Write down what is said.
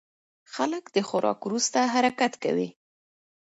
خلک د خوراک وروسته حرکت کوي.